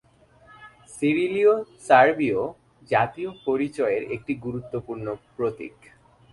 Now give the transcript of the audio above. সিরিলীয় সার্বীয় জাতীয় পরিচয়ের একটি গুরুত্বপূর্ণ প্রতীক।